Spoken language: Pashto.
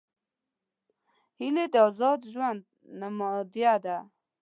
هیلۍ د آزاد ژوند نمادیه ده